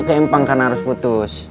ke empang karena harus putus